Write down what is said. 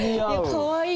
かわいい！